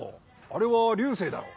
あれは流星だろ。